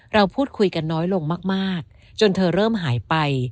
เราพูดคุยกันน้อยลงมากจนเธอเริ่มหายไป